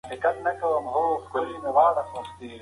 د ژبې معيار بايد يو وي.